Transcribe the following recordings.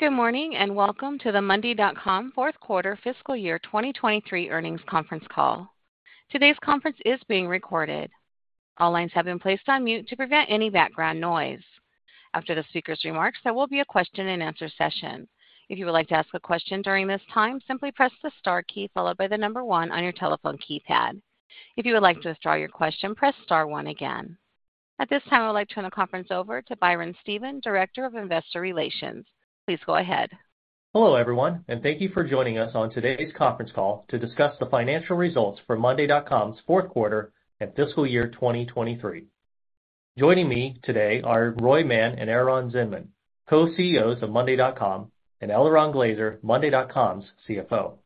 Good morning and welcome to the monday.com fourth quarter fiscal year 2023 earnings conference call. Today's conference is being recorded. All lines have been placed on mute to prevent any background noise. After the speaker's remarks, there will be a question-and-answer session. If you would like to ask a question during this time, simply press the star key followed by the number one on your telephone keypad. If you would like to withdraw your question, press star one again. At this time, I would like to turn the conference over to Byron Stephen, Director of Investor Relations. Please go ahead. Hello everyone, and thank you for joining us on today's conference call to discuss the financial results for monday.com's fourth quarter and fiscal year 2023. Joining me today are Roy Mann and Eran Zinman, Co-CEOs of monday.com, and Eliran Glazer, monday.com's CFO.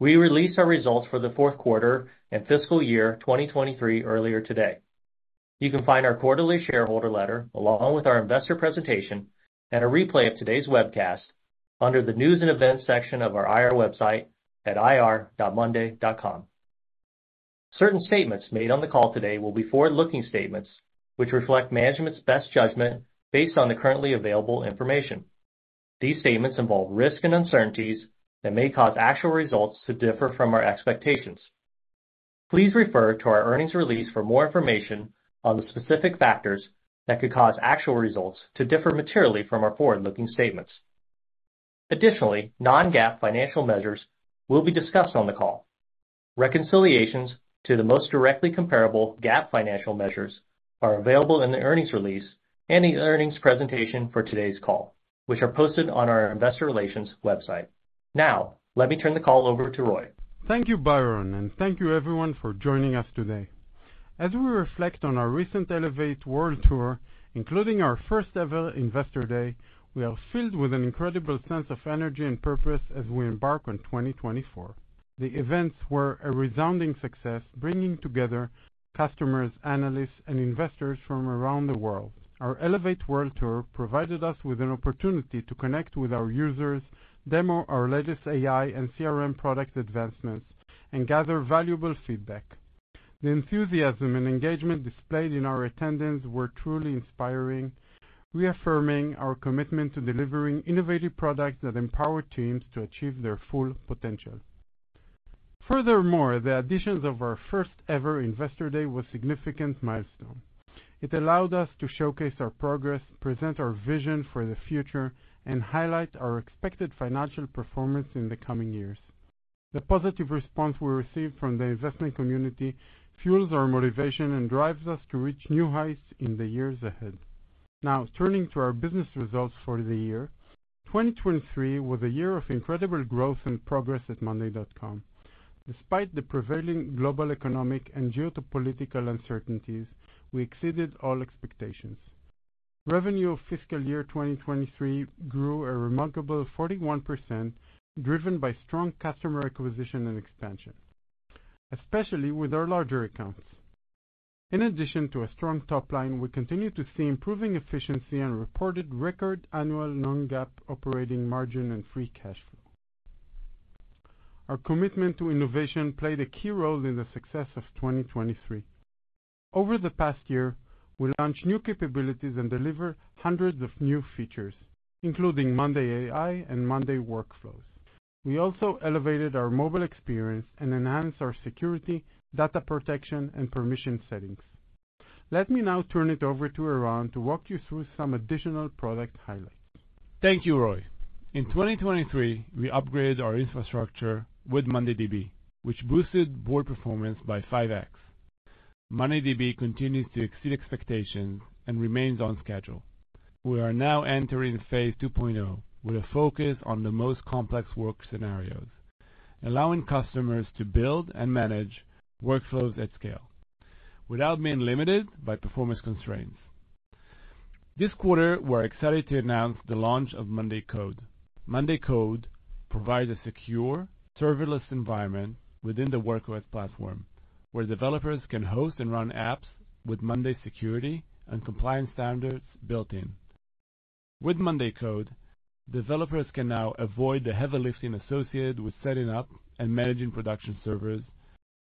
We released our results for the fourth quarter and fiscal year 2023 earlier today. You can find our quarterly shareholder letter along with our investor presentation and a replay of today's webcast under the News & Events section of our IR website at ir.monday.com. Certain statements made on the call today will be forward-looking statements which reflect management's best judgment based on the currently available information. These statements involve risk and uncertainties that may cause actual results to differ from our expectations. Please refer to our earnings release for more information on the specific factors that could cause actual results to differ materially from our forward-looking statements. Additionally, non-GAAP financial measures will be discussed on the call. Reconciliations to the most directly comparable GAAP financial measures are available in the earnings release and the earnings presentation for today's call, which are posted on our investor relations website. Now, let me turn the call over to Roy. Thank you, Byron, and thank you everyone for joining us today. As we reflect on our recent Elevate World Tour, including our first-ever Investor Day, we are filled with an incredible sense of energy and purpose as we embark on 2024. The events were a resounding success, bringing together customers, analysts, and investors from around the world. Our Elevate World Tour provided us with an opportunity to connect with our users, demo our latest AI and CRM product advancements, and gather valuable feedback. The enthusiasm and engagement displayed in our attendance were truly inspiring, reaffirming our commitment to delivering innovative products that empower teams to achieve their full potential. Furthermore, the addition of our first-ever Investor Day was a significant milestone. It allowed us to showcase our progress, present our vision for the future, and highlight our expected financial performance in the coming years. The positive response we received from the investment community fuels our motivation and drives us to reach new heights in the years ahead. Now, turning to our business results for the year, 2023 was a year of incredible growth and progress at monday.com. Despite the prevailing global economic and geopolitical uncertainties, we exceeded all expectations. Revenue of fiscal year 2023 grew a remarkable 41%, driven by strong customer acquisition and expansion, especially with our larger accounts. In addition to a strong top line, we continue to see improving efficiency and reported record annual non-GAAP operating margin and free cash flow. Our commitment to innovation played a key role in the success of 2023. Over the past year, we launched new capabilities and delivered hundreds of new features, including monday AI and monday Workflows. We also elevated our mobile experience and enhanced our security, data protection, and permission settings. Let me now turn it over to Eran to walk you through some additional product highlights. Thank you, Roy. In 2023, we upgraded our infrastructure with mondayDB, which boosted board performance by 5x. mondayDB continues to exceed expectations and remains on schedule. We are now entering phase 2.0 with a focus on the most complex work scenarios, allowing customers to build and manage workflows at scale without being limited by performance constraints. This quarter, we are excited to announce the launch of monday code. Monday code provides a secure, serverless environment within the Work OS platform, where developers can host and run apps with monday security and compliance standards built-in. With monday code, developers can now avoid the heavy lifting associated with setting up and managing production servers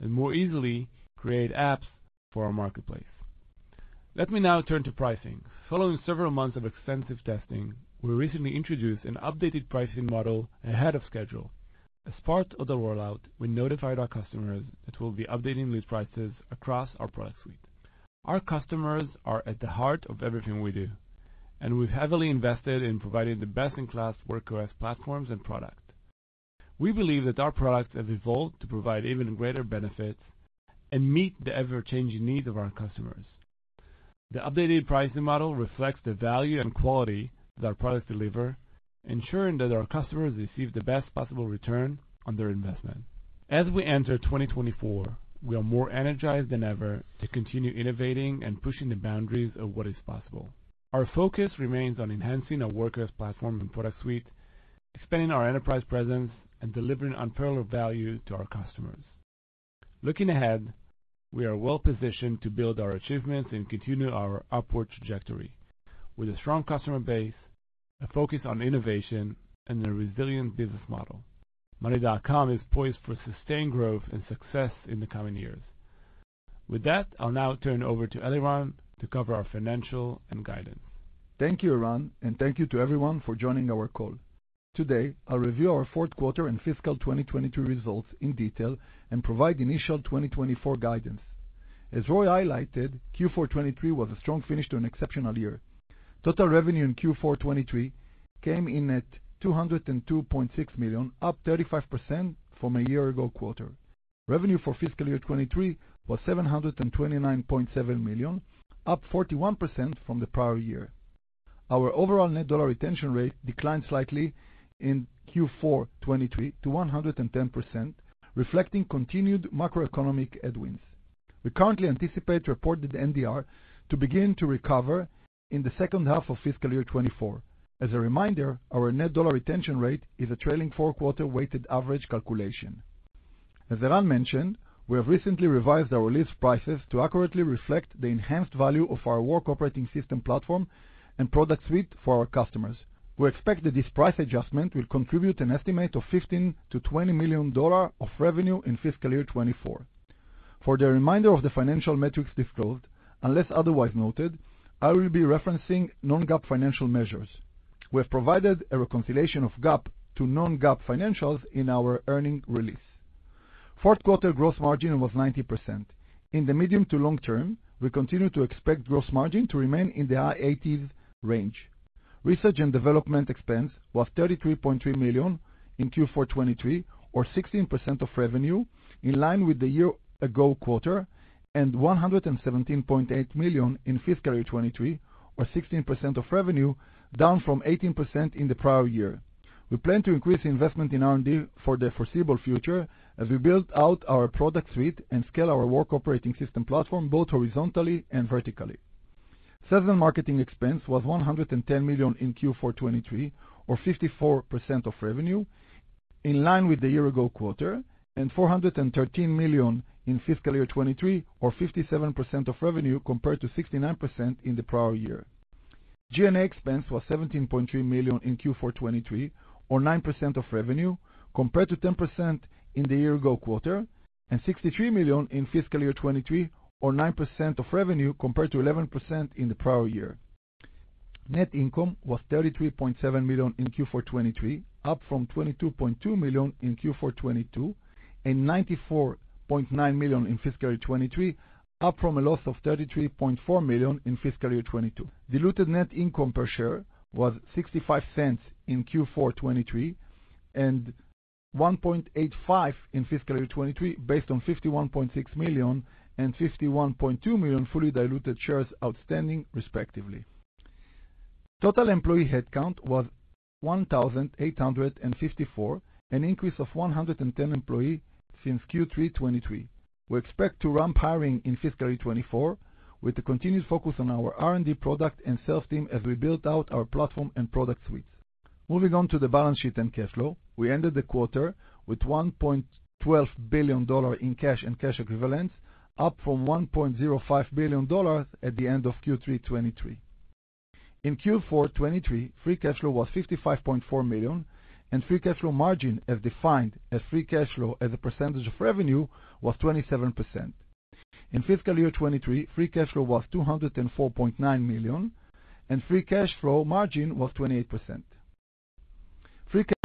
and more easily create apps for our marketplace. Let me now turn to pricing. Following several months of extensive testing, we recently introduced an updated pricing model ahead of schedule. As part of the rollout, we notified our customers that we'll be updating list prices across our product suite. Our customers are at the heart of everything we do, and we've heavily invested in providing the best-in-class Work OS platforms and products. We believe that our products have evolved to provide even greater benefits and meet the ever-changing needs of our customers. The updated pricing model reflects the value and quality that our products deliver, ensuring that our customers receive the best possible return on their investment. As we enter 2024, we are more energized than ever to continue innovating and pushing the boundaries of what is possible. Our focus remains on enhancing our Work OS platform and product suite, expanding our enterprise presence, and delivering unparalleled value to our customers. Looking ahead, we are well-positioned to build our achievements and continue our upward trajectory with a strong customer base, a focus on innovation, and a resilient business model. Monday.com is poised for sustained growth and success in the coming years. With that, I'll now turn over to Eliran to cover our financial and guidance. Thank you, Eran, and thank you to everyone for joining our call. Today, I'll review our fourth quarter and fiscal 2023 results in detail and provide initial 2024 guidance. As Roy highlighted, Q4 2023 was a strong finish to an exceptional year. Total revenue in Q4 2023 came in at $202.6 million, up 35% from a year-ago quarter. Revenue for fiscal year 2023 was $729.7 million, up 41% from the prior year. Our overall net dollar retention rate declined slightly in Q4 2023 to 110%, reflecting continued macroeconomic headwinds. We currently anticipate reported NDR to begin to recover in the second half of fiscal year 2024. As a reminder, our net dollar retention rate is a trailing four-quarter weighted average calculation. As Eran mentioned, we have recently revised our list prices to accurately reflect the enhanced value of our work operating system platform and product suite for our customers. We expect that this price adjustment will contribute an estimate of $15 million-$20 million of revenue in fiscal year 2024. For the remainder of the financial metrics disclosed, unless otherwise noted, I will be referencing non-GAAP financial measures. We have provided a reconciliation of GAAP to non-GAAP financials in our earnings release. Fourth quarter gross margin was 90%. In the medium to long term, we continue to expect gross margin to remain in the high 80s range. Research and development expense was $33.3 million in Q4 2023, or 16% of revenue in line with the year-ago quarter, and $117.8 million in fiscal year 2023, or 16% of revenue, down from 18% in the prior year. We plan to increase investment in R&D for the foreseeable future as we build out our product suite and scale our work operating system platform both horizontally and vertically. Sales and marketing expense was $110 million in Q4 2023, or 54% of revenue, in line with the year-ago quarter, and $413 million in fiscal year 2023, or 57% of revenue compared to 69% in the prior year. G&A expense was $17.3 million in Q4 2023, or 9% of revenue, compared to 10% in the year-ago quarter, and $63 million in fiscal year 2023, or 9% of revenue compared to 11% in the prior year. Net income was $33.7 million in Q4 2023, up from $22.2 million in Q4 2022, and $94.9 million in fiscal year 2023, up from a loss of $33.4 million in fiscal year 2022. Diluted net income per share was $0.65 in Q4 2023 and $1.85 in fiscal year 2023, based on 51.6 million and 51.2 million fully diluted shares outstanding, respectively. Total employee headcount was 1,854, an increase of 110 employees since Q3 2023. We expect to ramp hiring in fiscal year 2024 with a continued focus on our R&D product and sales team as we build out our platform and product suites. Moving on to the balance sheet and cash flow, we ended the quarter with $1.12 billion in cash and cash equivalents, up from $1.05 billion at the end of Q3 2023. In Q4 2023, free cash flow was $55.4 million, and free cash flow margin, as defined as free cash flow as a percentage of revenue, was 27%. In fiscal year 2023, free cash flow was $204.9 million, and free cash flow margin was 28%.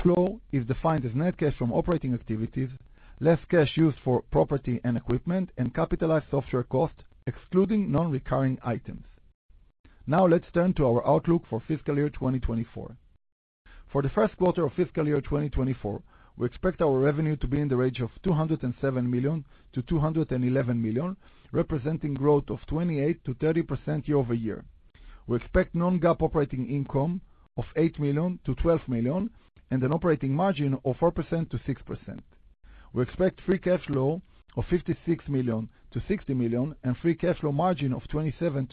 Free cash flow is defined as net cash from operating activities, less cash used for property and equipment, and capitalized software costs, excluding non-recurring items. Now, let's turn to our outlook for fiscal year 2024. For the first quarter of fiscal year 2024, we expect our revenue to be in the range of $207 million-$211 million, representing growth of 28%-30% year-over-year. We expect non-GAAP operating income of $8 million-$12 million and an operating margin of 4%-6%. We expect free cash flow of $56 million-$60 million and free cash flow margin of 27%-29%.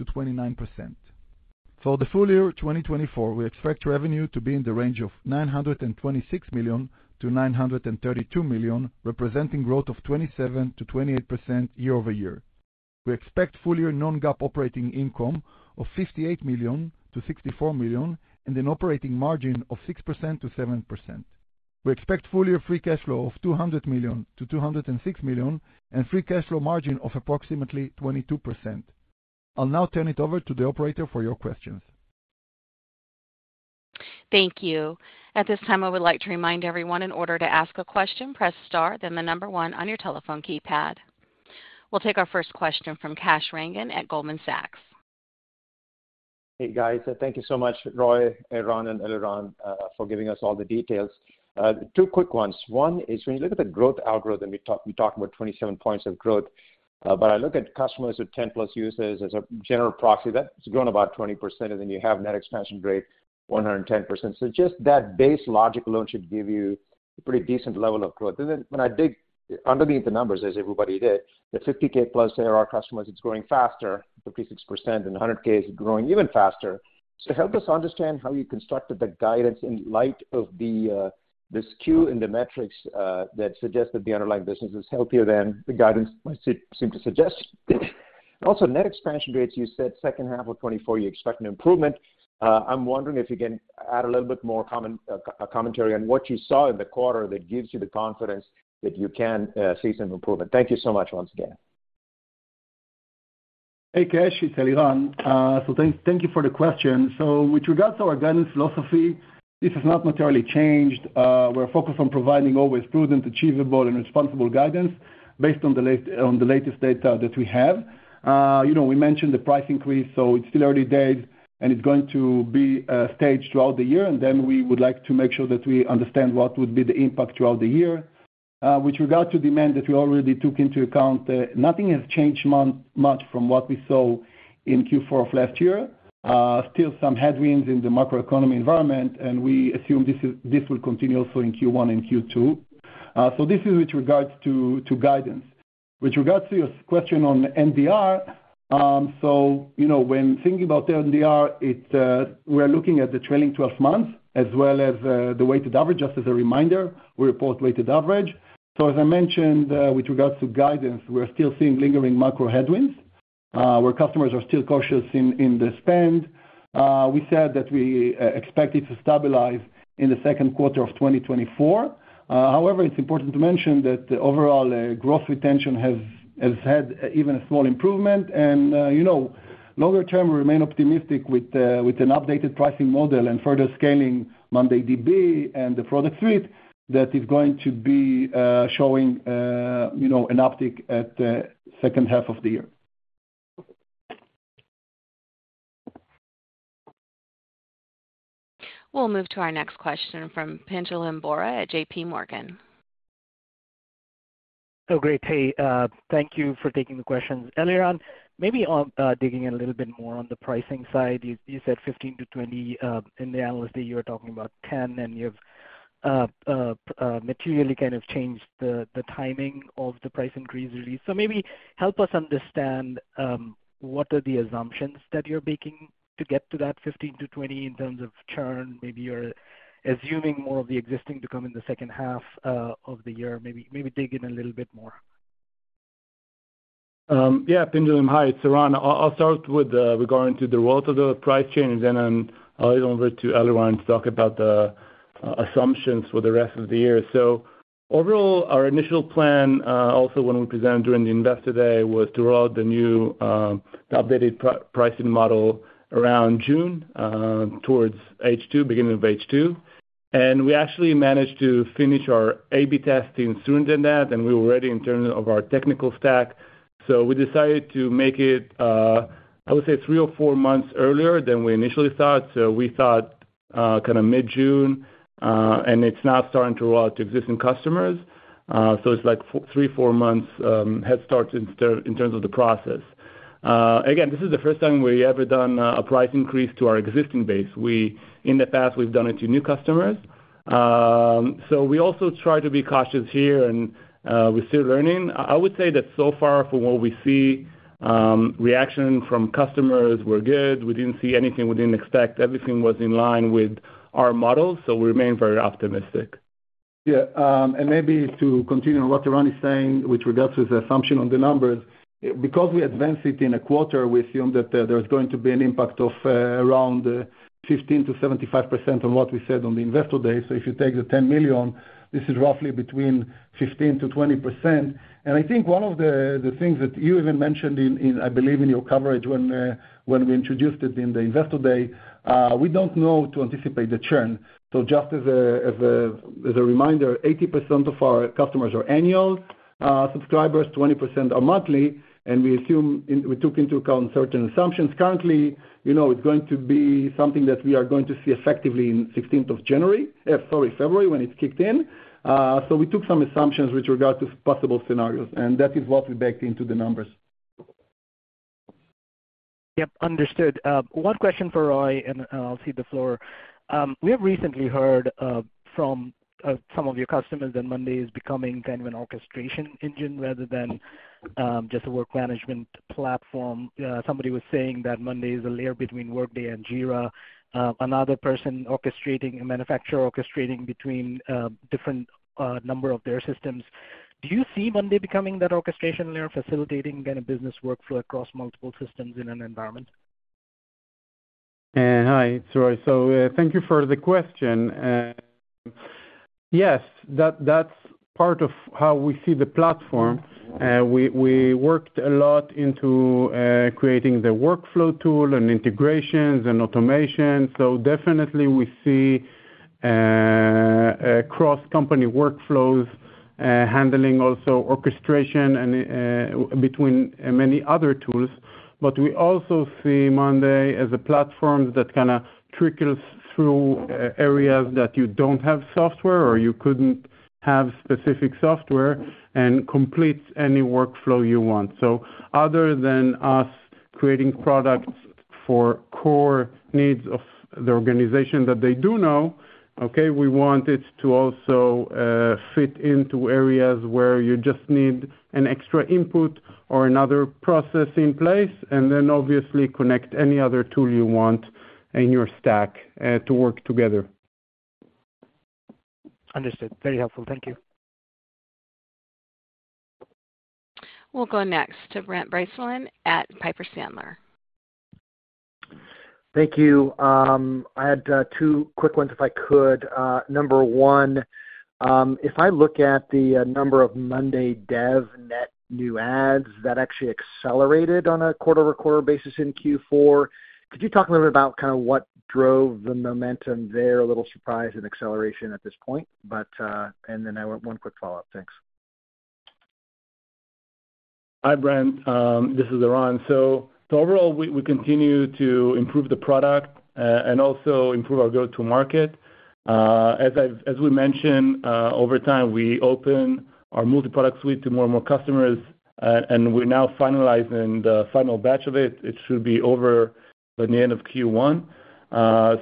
For the full year 2024, we expect revenue to be in the range of $926 million-$932 million, representing growth of 27%-28% year-over-year. We expect full-year non-GAAP operating income of $58 million-$64 million and an operating margin of 6%-7%. We expect full-year free cash flow of $200 million-$206 million and free cash flow margin of approximately 22%. I'll now turn it over to the operator for your questions. Thank you. At this time, I would like to remind everyone, in order to ask a question, press star, then the number one on your telephone keypad. We'll take our first question from Kash Rangan at Goldman Sachs. Hey, guys. Thank you so much, Roy, Eran, and Eliran for giving us all the details. Two quick ones. One is, when you look at the growth algorithm, we talked about 27 points of growth, but I look at customers with 10+ users as a general proxy. That's grown about 20%, and then you have net expansion rate, 110%. So just that base logic alone should give you a pretty decent level of growth. And then when I dig underneath the numbers, as everybody did, the 50,000+ ARR customers, it's growing faster, 56%, and 100K is growing even faster. So help us understand how you constructed the guidance in light of this skew in the metrics that suggests that the underlying business is healthier than the guidance might seem to suggest. Also, net expansion rates, you said second half of 2024, you expect an improvement. I'm wondering if you can add a little bit more commentary on what you saw in the quarter that gives you the confidence that you can see some improvement. Thank you so much once again. Hey, Kash. It's Eliran. So thank you for the question. So with regards to our guidance philosophy, this has not materially changed. We're focused on providing always prudent, achievable, and responsible guidance based on the latest data that we have. We mentioned the price increase, so it's still early days, and it's going to be staged throughout the year. And then we would like to make sure that we understand what would be the impact throughout the year. With regard to demand that we already took into account, nothing has changed much from what we saw in Q4 of last year. Still some headwinds in the macroeconomic environment, and we assume this will continue also in Q1 and Q2. So this is with regards to guidance. With regards to your question on NDR, so when thinking about NDR, we're looking at the trailing 12 months as well as the weighted average. Just as a reminder, we report weighted average. So as I mentioned, with regards to guidance, we're still seeing lingering macro headwinds where customers are still cautious in the spend. We said that we expect it to stabilize in the second quarter of 2024. However, it's important to mention that overall gross retention has had even a small improvement. And longer term, we remain optimistic with an updated pricing model and further scaling mondayDB and the product suite that is going to be showing an uptick at the second half of the year. We'll move to our next question from Pinjalim Bora at JPMorgan. Oh, great. Hey, thank you for taking the questions. Eran, maybe digging in a little bit more on the pricing side. You said 15-20. In the Investor Day, you were talking about 10, and you've materially kind of changed the timing of the price increase release. So maybe help us understand what are the assumptions that you're making to get to that 15-20 in terms of churn. Maybe you're assuming more of the existing to come in the second half of the year. Maybe dig in a little bit more. Yeah, Pinjalim, hi. It's Eran. I'll start with regard to the role of the price change, and then I'll hand over to Eliran to talk about the assumptions for the rest of the year. So overall, our initial plan, also when we presented during the Investor Day, was to roll out the updated pricing model around June, towards H2, beginning of H2. And we actually managed to finish our A/B testing sooner than that, and we were ready in terms of our technical stack. So we decided to make it, I would say, three or four months earlier than we initially thought. So we thought kind of mid-June, and it's now starting to roll out to existing customers. So it's like three, four months head starts in terms of the process. Again, this is the first time we ever done a price increase to our existing base. In the past, we've done it to new customers. So we also try to be cautious here, and we're still learning. I would say that so far, from what we see, reaction from customers were good. We didn't see anything we didn't expect. Everything was in line with our models, so we remain very optimistic. Yeah. And maybe to continue on what Eran is saying with regards to his assumption on the numbers, because we advanced it in a quarter, we assumed that there was going to be an impact of around 15%-75% on what we said on the Investor day. So if you take the $10 million, this is roughly between 15%-20%. And I think one of the things that you even mentioned in, I believe, in your coverage when we introduced it in the Investor Day, we don't know to anticipate the churn. So just as a reminder, 80% of our customers are annual subscribers, 20% are monthly, and we took into account certain assumptions. Currently, it's going to be something that we are going to see effectively in 16th of January, sorry, February, when it kicked in. We took some assumptions with regard to possible scenarios, and that is what we baked into the numbers. Yep, understood. One question for Roy, and I'll cede the floor. We have recently heard from some of your customers that monday is becoming kind of an orchestration engine rather than just a work management platform. Somebody was saying that monday is a layer between Workday and Jira, another person orchestrating, a manufacturer orchestrating between a different number of their systems. Do you see monday becoming that orchestration layer, facilitating kind of business workflow across multiple systems in an environment? Hi, it's Roy. So thank you for the question. Yes, that's part of how we see the platform. We worked a lot into creating the workflow tool and integrations and automation. So definitely, we see cross-company workflows handling also orchestration between many other tools. But we also see monday as a platform that kind of trickles through areas that you don't have software or you couldn't have specific software and completes any workflow you want. So other than us creating products for core needs of the organization that they do know, we want it to also fit into areas where you just need an extra input or another process in place and then, obviously, connect any other tool you want in your stack to work together. Understood. Very helpful. Thank you. We'll go next to Brent Bracelin at Piper Sandler. Thank you. I had two quick ones, if I could. Number one, if I look at the number of monday dev net new adds, that actually accelerated on a quarter-over-quarter basis in Q4. Could you talk a little bit about kind of what drove the momentum there, a little surprise and acceleration at this point? And then one quick follow-up. Thanks. Hi, Brent. This is Eran. So overall, we continue to improve the product and also improve our go-to-market. As we mentioned, over time, we open our multi-product suite to more and more customers, and we're now finalizing the final batch of it. It should be over by the end of Q1.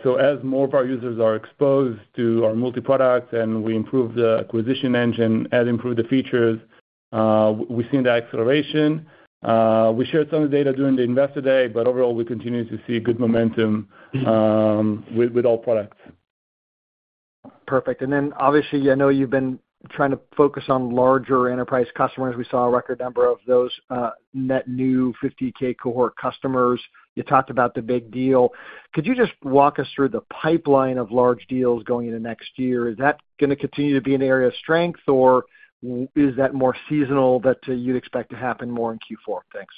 So as more of our users are exposed to our multi-product and we improve the acquisition engine, add improved features, we've seen the acceleration. We shared some of the data during the Investor Day, but overall, we continue to see good momentum with all products. Perfect. Then obviously, I know you've been trying to focus on larger enterprise customers. We saw a record number of those net new 50,000 cohort customers. You talked about the big deal. Could you just walk us through the pipeline of large deals going into next year? Is that going to continue to be an area of strength, or is that more seasonal that you'd expect to happen more in Q4? Thanks.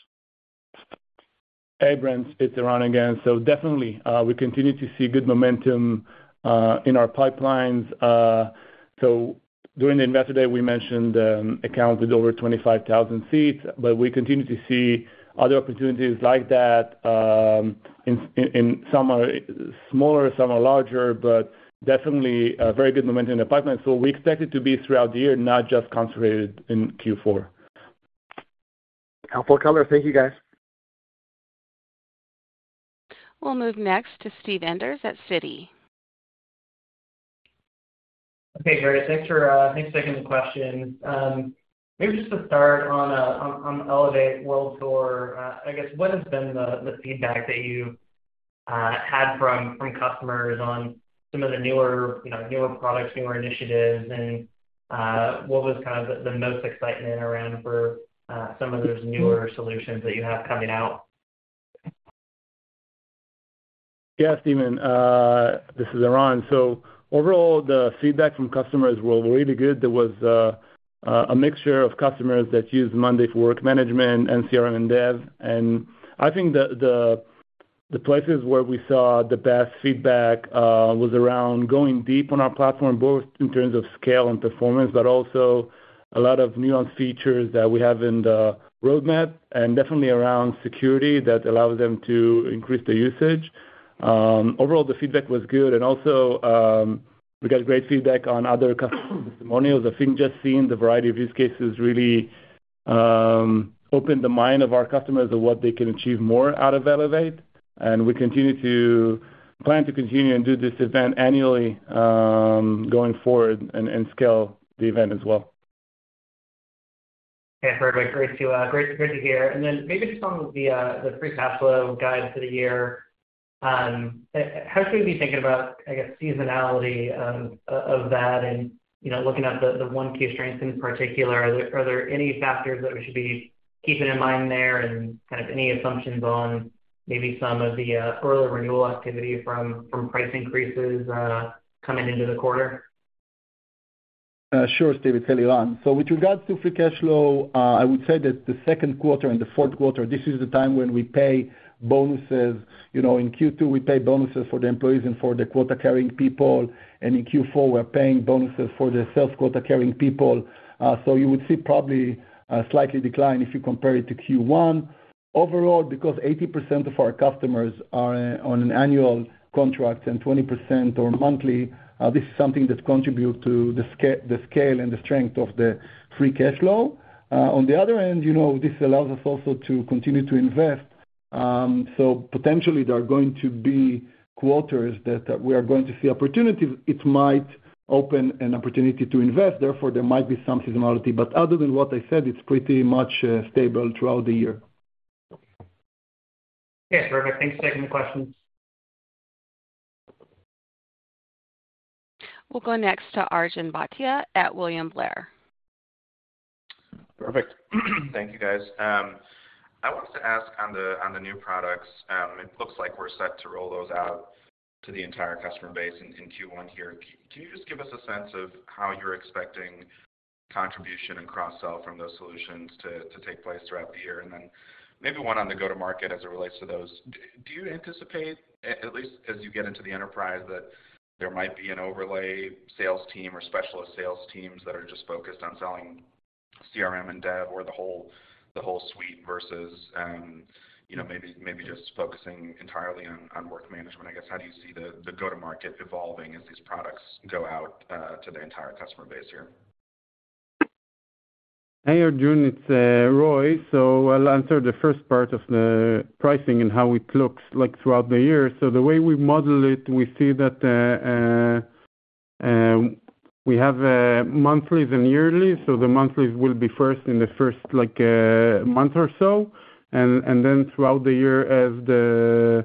Hey, Brent. It's Eran again. So definitely, we continue to see good momentum in our pipelines. So during the Investor Day, we mentioned accounts with over 25,000 seats, but we continue to see other opportunities like that. Some are smaller, some are larger, but definitely very good momentum in the pipeline. So we expect it to be throughout the year, not just concentrated in Q4. Helpful color. Thank you, guys. We'll move next to Steve Enders at Citi. Okay, Gary. Thanks for taking the question. Maybe just to start on Elevate World Tour, I guess, what has been the feedback that you've had from customers on some of the newer products, newer initiatives, and what was kind of the most excitement around for some of those newer solutions that you have coming out? Yeah, Steve. This is Eran. So overall, the feedback from customers was really good. There was a mixture of customers that used monday for work management, monday CRM, and dev. And I think the places where we saw the best feedback was around going deep on our platform, both in terms of scale and performance, but also a lot of nuanced features that we have in the roadmap and definitely around security that allows them to increase the usage. Overall, the feedback was good. And also, we got great feedback on other customer testimonials. I think just seeing the variety of use cases really opened the mind of our customers of what they can achieve more out of Elevate. And we plan to continue and do this event annually going forward and scale the event as well. Yeah, perfect. Great to hear. Then maybe just on the free cash flow guide for the year, how should we be thinking about, I guess, seasonality of that and looking at the Q1 strength in particular? Are there any factors that we should be keeping in mind there and kind of any assumptions on maybe some of the early renewal activity from price increases coming into the quarter? Sure, Steve. It's Eliran. So with regards to free cash flow, I would say that the second quarter and the fourth quarter, this is the time when we pay bonuses. In Q2, we pay bonuses for the employees and for the quota-carrying people. And in Q4, we're paying bonuses for the sales quota-carrying people. So you would see probably a slightly decline if you compare it to Q1. Overall, because 80% of our customers are on an annual contract and 20% are monthly, this is something that contributes to the scale and the strength of the free cash flow. On the other end, this allows us also to continue to invest. So potentially, there are going to be quarters that we are going to see opportunities. It might open an opportunity to invest. Therefore, there might be some seasonality. But other than what I said, it's pretty much stable throughout the year. Yeah, perfect. Thanks for taking the questions. We'll go next to Arjun Bhatia at William Blair. Perfect. Thank you, guys. I wanted to ask on the new products. It looks like we're set to roll those out to the entire customer base in Q1 here. Can you just give us a sense of how you're expecting contribution and cross-sell from those solutions to take place throughout the year? And then maybe one on the go-to-market as it relates to those. Do you anticipate, at least as you get into the enterprise, that there might be an overlay sales team or specialist sales teams that are just focused on selling CRM and dev or the whole suite versus maybe just focusing entirely on work management? I guess, how do you see the go-to-market evolving as these products go out to the entire customer base here? Hey, Arjun. It's Roy. So I'll answer the first part of the pricing and how it looks throughout the year. So the way we model it, we see that we have monthlies and yearly. So the monthlies will be first in the first month or so. And then throughout the year, as the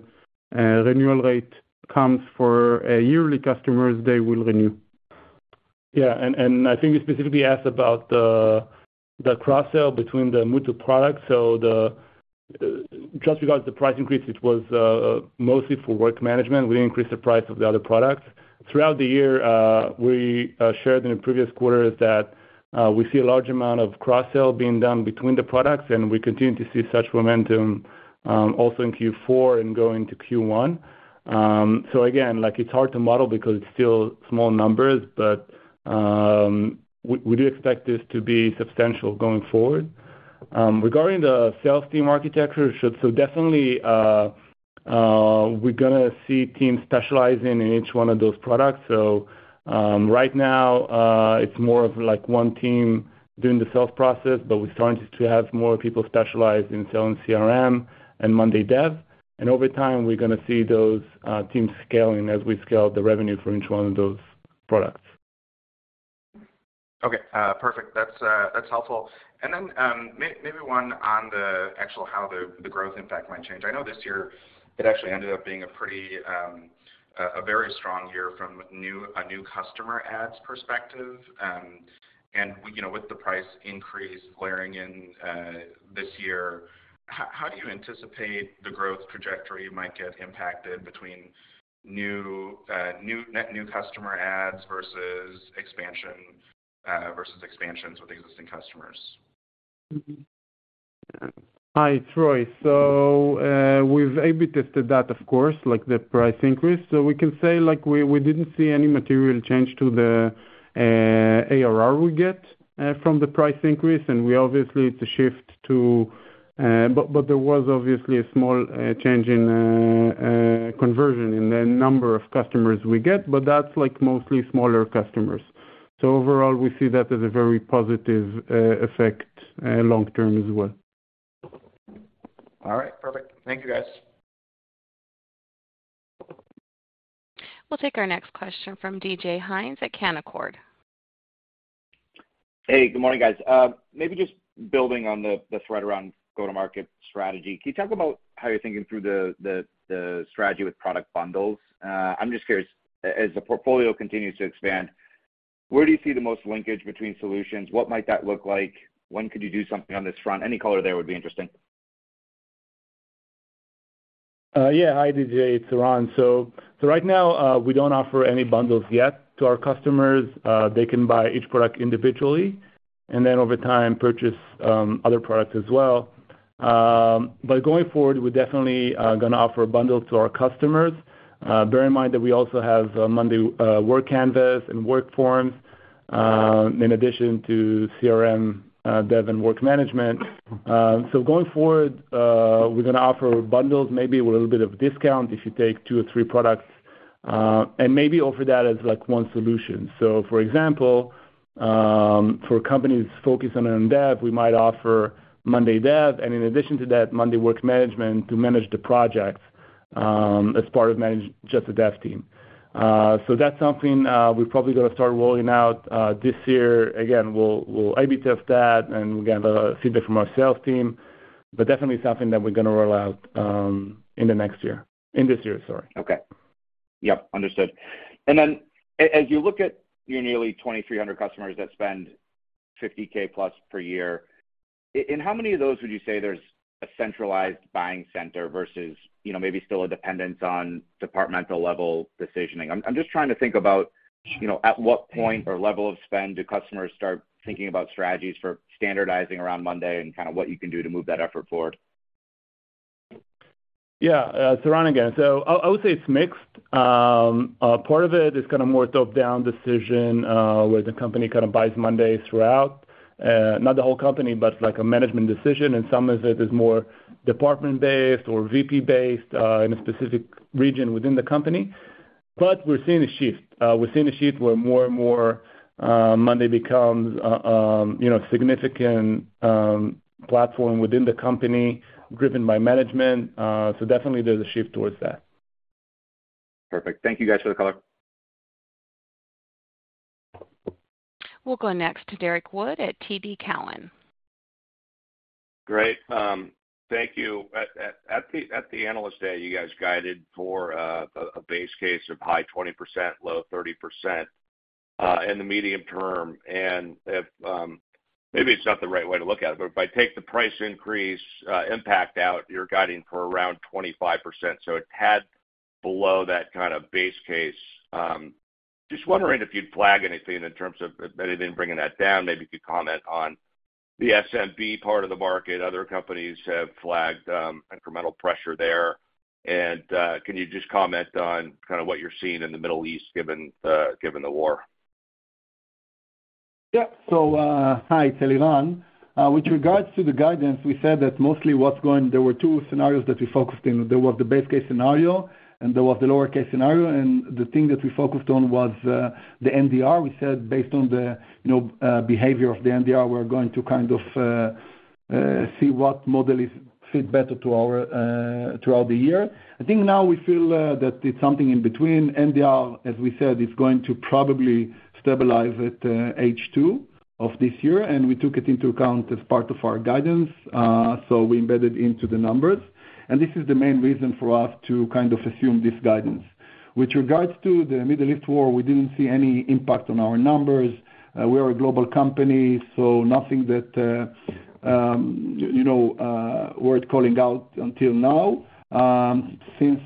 renewal rate comes for yearly customers, they will renew. Yeah. And I think you specifically asked about the cross-sell between the multiple products. So just regards to the price increase, it was mostly for work management. We didn't increase the price of the other products. Throughout the year, we shared in previous quarters that we see a large amount of cross-sell being done between the products, and we continue to see such momentum also in Q4 and going into Q1. So again, it's hard to model because it's still small numbers, but we do expect this to be substantial going forward. Regarding the sales team architecture, so definitely, we're going to see teams specializing in each one of those products. So right now, it's more of one team doing the sales process, but we're starting to have more people specialize in selling CRM and monday dev. And over time, we're going to see those teams scaling as we scale the revenue for each one of those products. Okay. Perfect. That's helpful. And then maybe one on the actual how the growth impact might change. I know this year, it actually ended up being a very strong year from a new customer adds perspective. And with the price increase layering in this year, how do you anticipate the growth trajectory might get impacted between net new customer adds versus expansion with existing customers? Hi, it's Roy. So we've A/B tested that, of course, the price increase. So we can say we didn't see any material change to the ARR we get from the price increase. And obviously, it's a shift, too, but there was obviously a small change in conversion in the number of customers we get, but that's mostly smaller customers. So overall, we see that as a very positive effect long-term as well. All right. Perfect. Thank you, guys. We'll take our next question from DJ Hynes at Canaccord. Hey, good morning, guys. Maybe just building on the thread around go-to-market strategy, can you talk about how you're thinking through the strategy with product bundles? I'm just curious, as the portfolio continues to expand, where do you see the most linkage between solutions? What might that look like? When could you do something on this front? Any color there would be interesting. Yeah. Hi, DJ. It's Eran. So right now, we don't offer any bundles yet to our customers. They can buy each product individually and then over time purchase other products as well. But going forward, we're definitely going to offer bundles to our customers. Bear in mind that we also have monday WorkCanvas and monday WorkForms in addition to CRM, dev, and work management. So going forward, we're going to offer bundles maybe with a little bit of discount if you take two or three products and maybe offer that as one solution. So for example, for companies focused on their own dev, we might offer monday dev and in addition to that, monday work management to manage the projects as part of just the dev team. So that's something we're probably going to start rolling out this year. Again, we'll A/B test that, and we'll get feedback from our sales team. But definitely something that we're going to roll out in the next year in this year, sorry. Okay. Yep. Understood. And then as you look at your nearly 2,300 customers that spend 50,000+ per year, in how many of those would you say there's a centralized buying center versus maybe still a dependence on departmental-level decisioning? I'm just trying to think about at what point or level of spend do customers start thinking about strategies for standardizing around monday and kind of what you can do to move that effort forward? Yeah. It's Eran again. So I would say it's mixed. Part of it is kind of more top-down decision where the company kind of buys monday throughout. Not the whole company, but a management decision. And some of it is more department-based or VP-based in a specific region within the company. But we're seeing a shift. We're seeing a shift where more and more monday becomes a significant platform within the company driven by management. So definitely, there's a shift towards that. Perfect. Thank you, guys, for the color. We'll go next to Derrick Wood at TD Cowen. Great. Thank you. At the analyst day, you guys guided for a base case of high 20%-low 30% in the medium term. Maybe it's not the right way to look at it, but if I take the price increase impact out, you're guiding for around 25%. So it's had below that kind of base case. Just wondering if you'd flag anything in terms of if anything bringing that down. Maybe you could comment on the SMB part of the market. Other companies have flagged incremental pressure there. Can you just comment on kind of what you're seeing in the Middle East given the war? Yeah. So hi, it's Eliran. With regards to the guidance, we said that mostly what's going there were two scenarios that we focused in. There was the base case scenario, and there was the lower case scenario. And the thing that we focused on was the NDR. We said based on the behavior of the NDR, we're going to kind of see what model fits better throughout the year. I think now we feel that it's something in between. NDR, as we said, is going to probably stabilize at H2 of this year. And we took it into account as part of our guidance. So we embedded it into the numbers. And this is the main reason for us to kind of assume this guidance. With regards to the Middle East war, we didn't see any impact on our numbers. We are a global company, so nothing that worth calling out until now. Since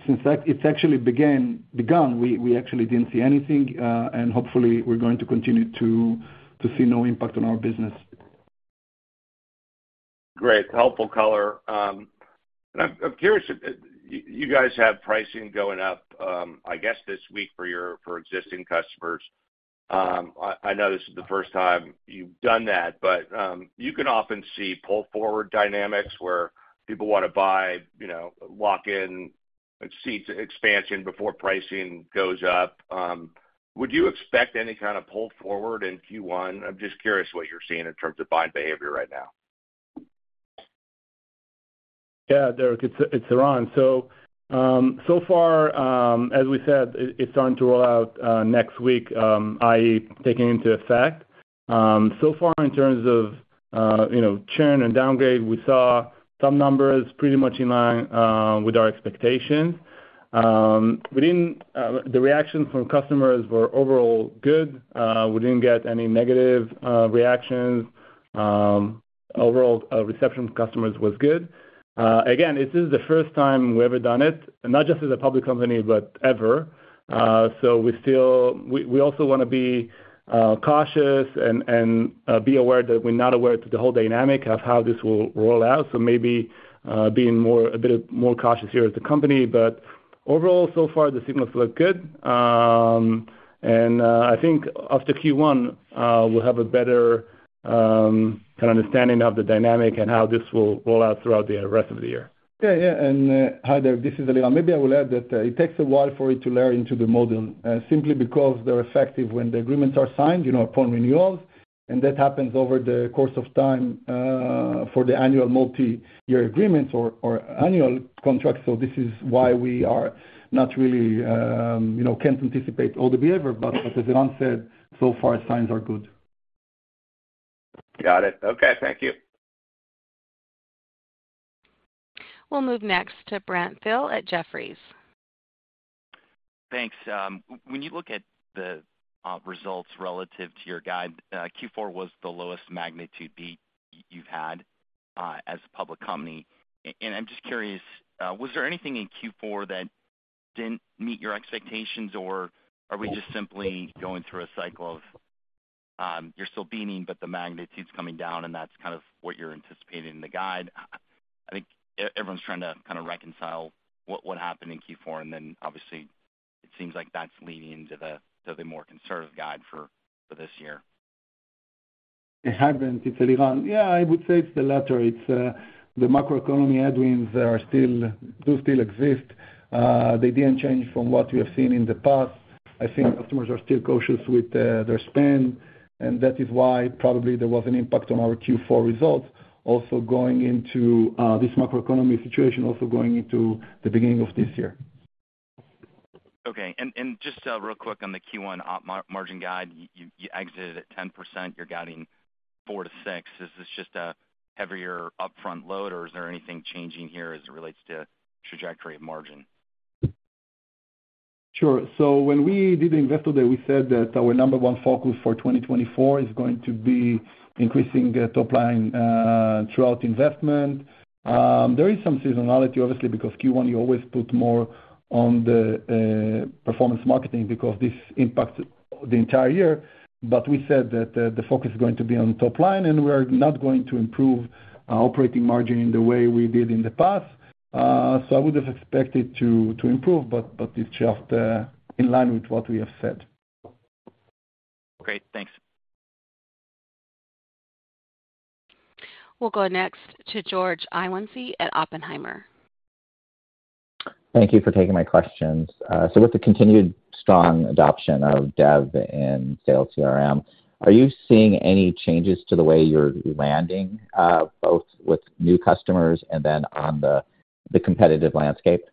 it's actually begun, we actually didn't see anything. Hopefully, we're going to continue to see no impact on our business. Great. Helpful color. And I'm curious, you guys have pricing going up, I guess, this week for existing customers. I know this is the first time you've done that, but you can often see pull-forward dynamics where people want to buy, lock in, see expansion before pricing goes up. Would you expect any kind of pull forward in Q1? I'm just curious what you're seeing in terms of buying behavior right now. Yeah, Derrick. It's Eran. So far, as we said, it's starting to roll out next week, i.e., taking into effect. So far, in terms of churn and downgrade, we saw some numbers pretty much in line with our expectations. The reactions from customers were overall good. We didn't get any negative reactions. Overall, reception from customers was good. Again, this is the first time we've ever done it, not just as a public company, but ever. So we also want to be cautious and be aware that we're not aware of the whole dynamic of how this will roll out. So maybe being a bit more cautious here as a company. But overall, so far, the signals look good. And I think after Q1, we'll have a better kind of understanding of the dynamic and how this will roll out throughout the rest of the year. Yeah, yeah. Hi, Derrick. This is Eliran. Maybe I will add that it takes a while for it to layer into the model simply because they're effective when the agreements are signed upon renewals. And that happens over the course of time for the annual multi-year agreements or annual contracts. So this is why we are not really can't anticipate all the behavior. But as Eran said, so far, signs are good. Got it. Okay. Thank you. We'll move next to Brent Thill at Jefferies. Thanks. When you look at the results relative to your guide, Q4 was the lowest magnitude beat you've had as a public company. And I'm just curious, was there anything in Q4 that didn't meet your expectations, or are we just simply going through a cycle of you're still beating, but the magnitude's coming down, and that's kind of what you're anticipating in the guide? I think everyone's trying to kind of reconcile what happened in Q4. And then obviously, it seems like that's leading into the more conservative guide for this year. It happens. It's Eliran. Yeah, I would say it's the latter. The macroeconomic headwinds do still exist. They didn't change from what we have seen in the past. I think customers are still cautious with their spend. That is why probably there was an impact on our Q4 results also going into this macroeconomic situation, also going into the beginning of this year. Okay. Just real quick on the Q1 margin guide, you exited at 10%. You're guiding 4%-6%. Is this just a heavier upfront load, or is there anything changing here as it relates to trajectory of margin? Sure. So when we did the Investor Day, we said that our number one focus for 2024 is going to be increasing top-line throughout investment. There is some seasonality, obviously, because Q1, you always put more on the performance marketing because this impacts the entire year. But we said that the focus is going to be on top line, and we are not going to improve operating margin in the way we did in the past. So I would have expected it to improve, but it's just in line with what we have said. Great. Thanks. We'll go next to George Iwanyc at Oppenheimer. Thank you for taking my questions. With the continued strong adoption of dev and sales CRM, are you seeing any changes to the way you're landing, both with new customers and then on the competitive landscape?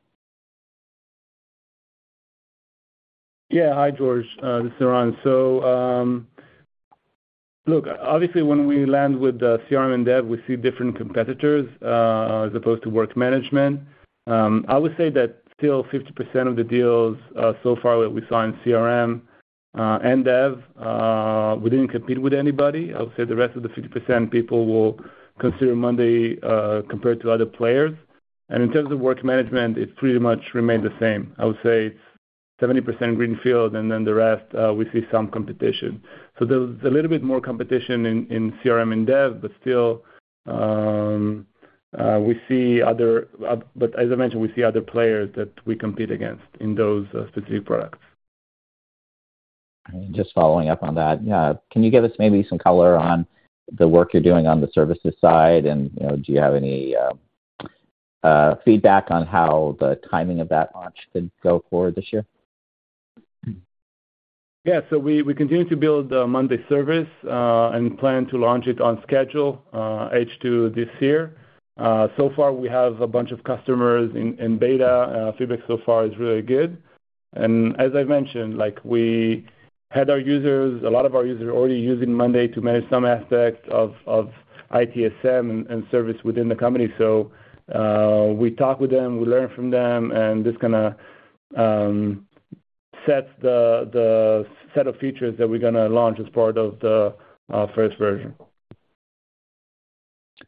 Yeah. Hi, George. It's Eran. So look, obviously, when we land with CRM and dev, we see different competitors as opposed to work management. I would say that still 50% of the deals so far that we saw in CRM and dev, we didn't compete with anybody. I would say the rest of the 50%, people will consider monday compared to other players. And in terms of work management, it pretty much remained the same. I would say it's 70% greenfield, and then the rest, we see some competition. So there's a little bit more competition in CRM and dev, but still, we see other but as I mentioned, we see other players that we compete against in those specific products. Just following up on that, yeah, can you give us maybe some color on the work you're doing on the services side? Do you have any feedback on how the timing of that launch could go forward this year? Yeah. So we continue to build monday service and plan to launch it on schedule H2 this year. So far, we have a bunch of customers in beta. Feedback so far is really good. And as I mentioned, we had our users a lot of our users already using monday to manage some aspects of ITSM and service within the company. So we talk with them. We learn from them. And this kind of sets the set of features that we're going to launch as part of the first version.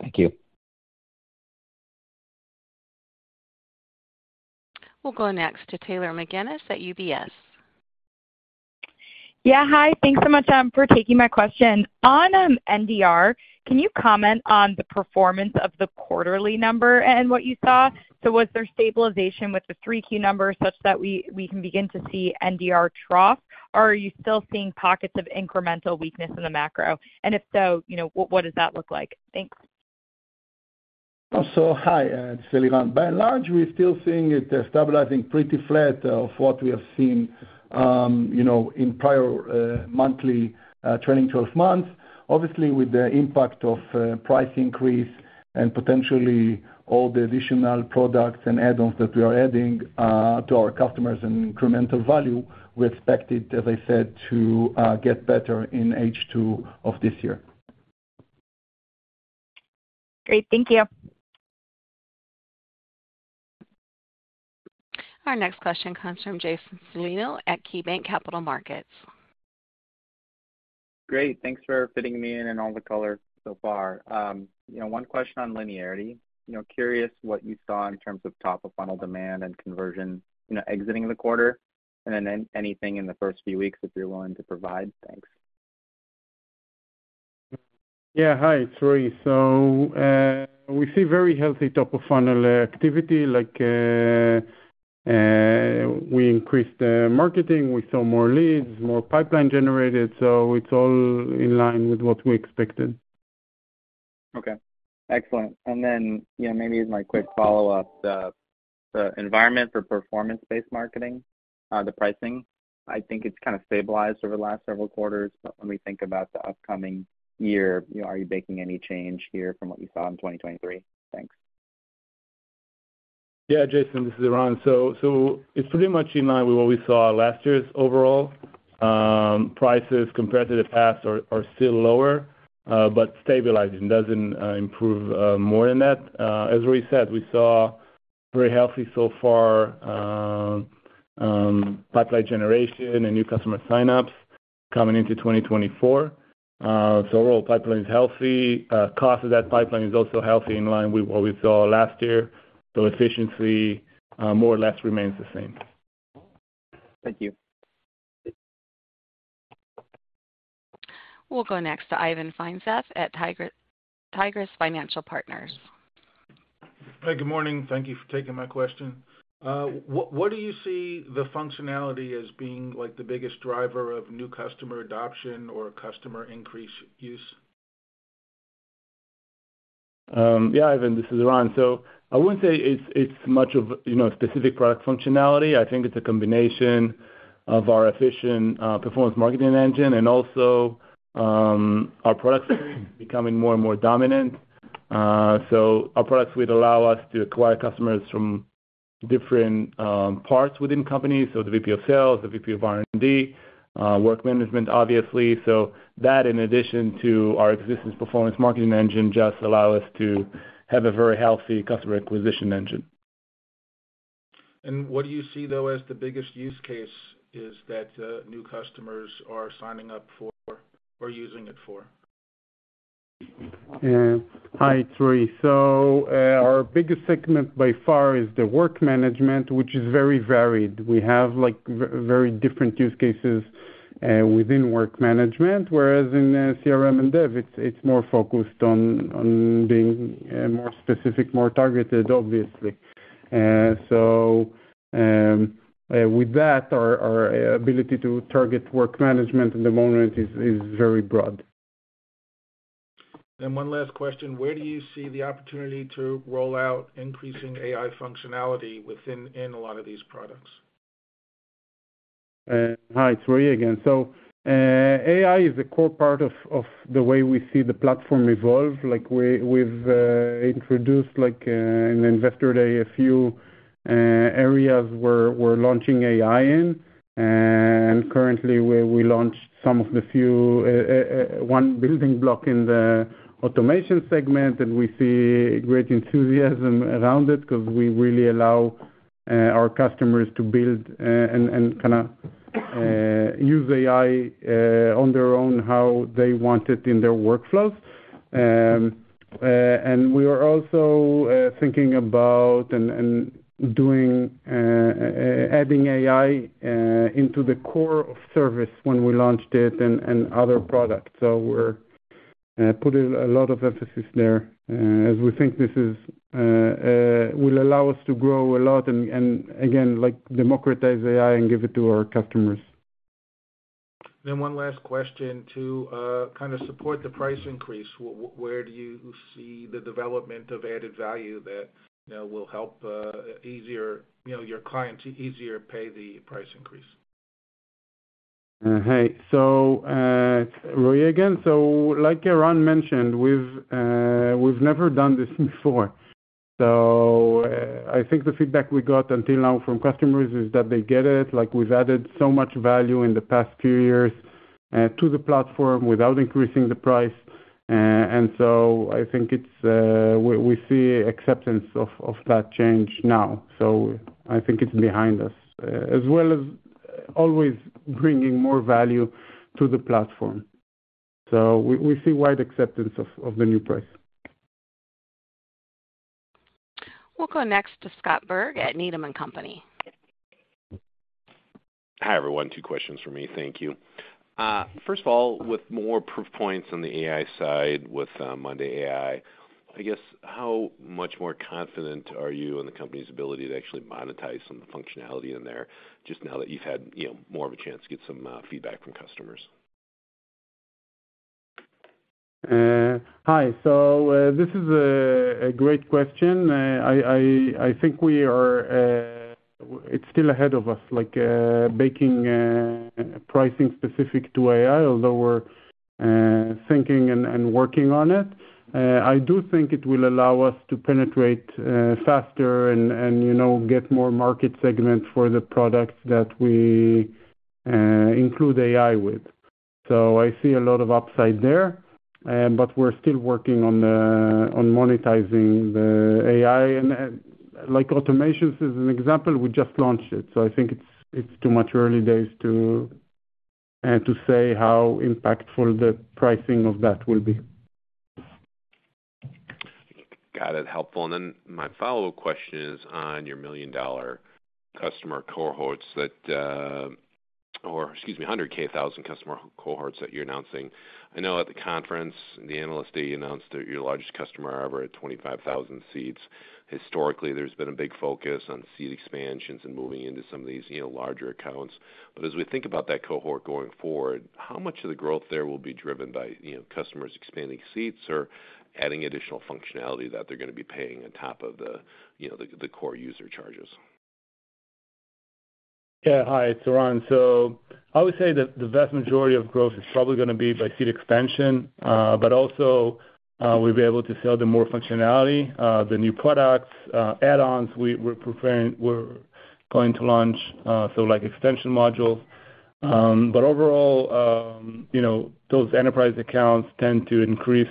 Thank you. We'll go next to Taylor McGinnis at UBS. Yeah. Hi. Thanks so much for taking my question. On NDR, can you comment on the performance of the quarterly number and what you saw? So was there stabilization with the 3Q numbers such that we can begin to see NDR trough, or are you still seeing pockets of incremental weakness in the macro? And if so, what does that look like? Thanks. Hi, it's Eliran. By and large, we're still seeing it stabilizing pretty flat of what we have seen in prior monthly 12 months. Obviously, with the impact of price increase and potentially all the additional products and add-ons that we are adding to our customers and incremental value, we expect it, as I said, to get better in H2 of this year. Great. Thank you. Our next question comes from Jason Celino at KeyBanc Capital Markets. Great. Thanks for fitting me in and all the color so far. One question on linearity. Curious what you saw in terms of top-of-funnel demand and conversion exiting the quarter and then anything in the first few weeks if you're willing to provide? Thanks. Yeah. Hi, it's Roy. So we see very healthy top-of-funnel activity. We increased marketing. We saw more leads, more pipeline generated. So it's all in line with what we expected. Okay. Excellent. Then maybe my quick follow-up, the environment for performance-based marketing, the pricing, I think it's kind of stabilized over the last several quarters. But when we think about the upcoming year, are you baking any change here from what you saw in 2023? Thanks. Yeah, Jason. This is Eran. So it's pretty much in line with what we saw last year overall. Prices compared to the past are still lower, but stabilizing. It doesn't improve more than that. As we said, we saw very healthy, so far, pipeline generation and new customer sign-ups coming into 2024. So overall, pipeline is healthy. Cost of that pipeline is also healthy in line with what we saw last year. So efficiency more or less remains the same. Thank you. We'll go next to Ivan Feinseth at Tigress Financial Partners. Hi. Good morning. Thank you for taking my question. What do you see the functionality as being the biggest driver of new customer adoption or customer increase use? Yeah, Ivan. This is Eran. So I wouldn't say it's much of specific product functionality. I think it's a combination of our efficient performance marketing engine and also our products becoming more and more dominant. So our products would allow us to acquire customers from different parts within companies, so the VP of sales, the VP of R&D, work management, obviously. So that, in addition to our existing performance marketing engine, just allows us to have a very healthy customer acquisition engine. What do you see, though, as the biggest use case is that new customers are signing up for or using it for? Hi, it's Roy. Our biggest segment by far is the work management, which is very varied. We have very different use cases within work management, whereas in CRM and dev, it's more focused on being more specific, more targeted, obviously. With that, our ability to target work management at the moment is very broad. One last question. Where do you see the opportunity to roll out increasing AI functionality within a lot of these products? Hi, sorry again. So AI is a core part of the way we see the platform evolve. We've introduced in the Investor Day a few areas we're launching AI in. And currently, we launched some of the first building blocks in the automation segment. And we see great enthusiasm around it because we really allow our customers to build and kind of use AI on their own how they want it in their workflows. And we are also thinking about and adding AI into the core of the service when we launched it and other products. So we're putting a lot of emphasis there as we think this will allow us to grow a lot and, again, democratize AI and give it to our customers. One last question to kind of support the price increase. Where do you see the development of added value that will help your clients easier pay the price increase? Hey. So Roy again. So like Eran mentioned, we've never done this before. So I think the feedback we got until now from customers is that they get it. We've added so much value in the past few years to the platform without increasing the price. And so I think we see acceptance of that change now. So I think it's behind us as well as always bringing more value to the platform. So we see wide acceptance of the new price. We'll go next to Scott Berg at Needham & Company. Hi, everyone. Two questions for me. Thank you. First of all, with more proof points on the AI side with monday AI, I guess, how much more confident are you in the company's ability to actually monetize some of the functionality in there just now that you've had more of a chance to get some feedback from customers? Hi. So this is a great question. I think it's still ahead of us, baking pricing specific to AI, although we're thinking and working on it. I do think it will allow us to penetrate faster and get more market segment for the products that we include AI with. So I see a lot of upside there. But we're still working on monetizing the AI. And automations is an example. We just launched it. So I think it's too much early days to say how impactful the pricing of that will be. Got it. Helpful. And then my follow-up question is on your million-dollar customer cohorts that or excuse me, 100,000, customer cohorts that you're announcing. I know at the conference, the analyst day announced that your largest customer ever at 25,000 seats. Historically, there's been a big focus on seat expansions and moving into some of these larger accounts. But as we think about that cohort going forward, how much of the growth there will be driven by customers expanding seats or adding additional functionality that they're going to be paying on top of the core user charges? Yeah. Hi, it's Eran. So I would say that the vast majority of growth is probably going to be by seat expansion. But also, we'll be able to sell them more functionality, the new products, add-ons we're going to launch, so extension modules. But overall, those enterprise accounts tend to increase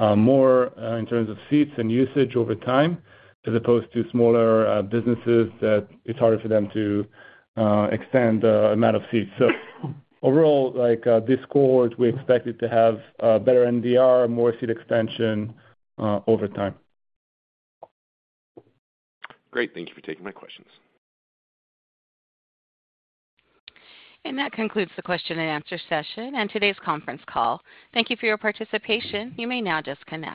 more in terms of seats and usage over time as opposed to smaller businesses that it's harder for them to extend the amount of seats. So overall, this cohort, we expect it to have better NDR, more seat extension over time. Great. Thank you for taking my questions. That concludes the question-and-answer session and today's conference call. Thank you for your participation. You may now disconnect.